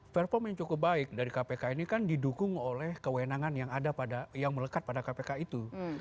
performa yang cukup baik dari kpk ini kan didukung oleh kewenangan yang melekat pada kpk itu